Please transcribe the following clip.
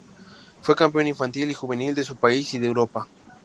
Fue campeón infantil y juvenil de su país y de Europa.